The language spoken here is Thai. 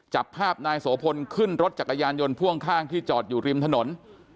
จับภาพนายโสพลขึ้นรถจักรยานยนต์พ่วงข้างที่จอดอยู่ริมถนน